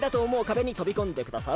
べにとびこんでください！